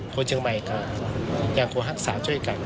คนเชียงใหม่เขาก็ควรฮักษาให้กัน